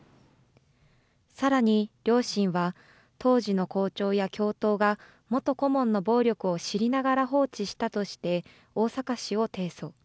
さらに両親は、当時の校長や教頭が元顧問の暴力を知りながら放置したとして、大阪市を提訴。